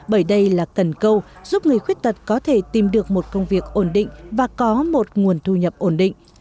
bởi đây là cần câu giúp người khuyết tật có thể tìm được một công việc ổn định và có một nguồn thu nhập ổn định